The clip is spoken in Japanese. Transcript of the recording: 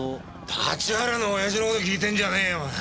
立原の親父の事聞いてんじゃねえよ。